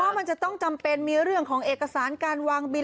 มันจะต้องจำเป็นมีเรื่องของเอกสารการวางบิน